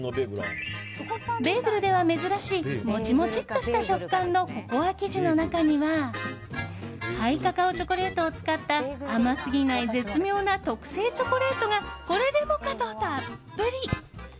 ベーグルでは珍しいモチモチッとした食感のココア生地の中にはハイカカオチョコレートを使った甘すぎない絶妙な特製チョコレートがこれでもかとたっぷり。